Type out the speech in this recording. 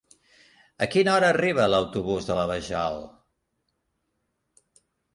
A quina hora arriba l'autobús de la Vajol?